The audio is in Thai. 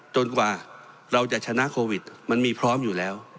กว่าเราจะชนะโควิดมันมีพร้อมอยู่แล้ว